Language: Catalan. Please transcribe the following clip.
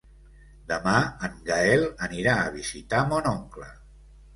Demà en Gaël anirà a visitar mon oncle.